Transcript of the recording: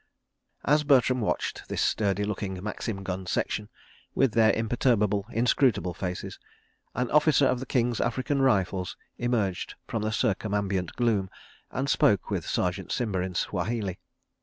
... As Bertram watched this sturdy looking Maxim gun section, with their imperturbable, inscrutable faces, an officer of the King's African Rifles emerged from the circumambient gloom and spoke with Sergeant Simba in Swahili.